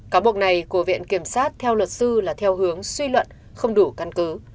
cáo buộc này của viện kiểm sát theo luật sư là theo hướng suy luận không đủ căn cứ